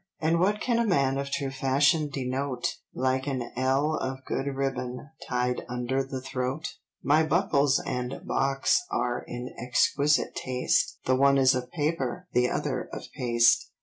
And what can a man of true fashion denote, Like an ell of good ribbon tied under the throat? My buckles and box are in exquisite taste, The one is of paper, the other of paste."